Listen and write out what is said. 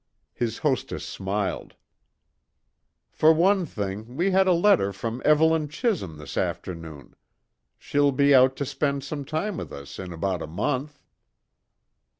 His hostess smiled. "For one thing, we had a letter from Evelyn Chisholm this afternoon. She'll be out to spend some time with us in about a month."